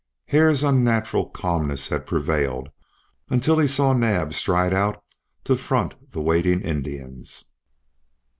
Hare's unnatural calmness had prevailed until he saw Naab stride out to front the waiting Indians.